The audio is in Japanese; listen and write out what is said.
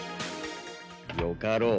よかろう。